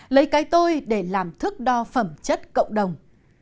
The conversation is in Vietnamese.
lấy cái tôi để làm thức đo phẩm chất cộng đồng